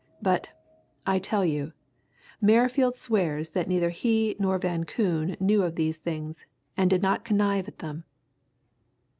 But, I tell you, Merrifield swears that neither he nor Van Koon knew of these things, and did not connive at them."